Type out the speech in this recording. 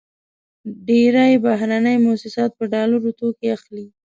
ډېری بهرني موسسات په ډالرو توکې اخلي.